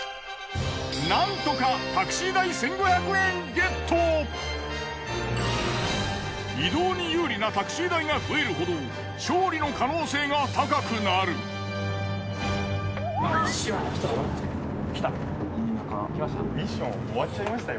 なんとか移動に有利なタクシー代が増えるほど勝利の可能性が高くなる。来た。来ました？